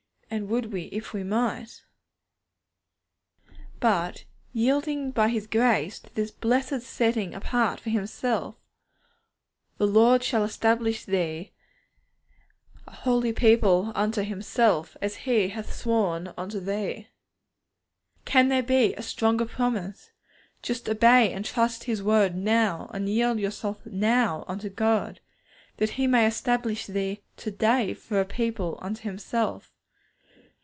and would we, if we might?[footnote: Loyal Responses, p. 11.] But yielding, by His grace, to this blessed setting apart for Himself, 'The Lord shall establish thee an holy people unto Himself, as He hath sworn unto thee.' Can there be a stronger promise? Just obey and trust His word now, and yield yourselves now unto God, 'that He may establish thee to day for a people unto Himself.'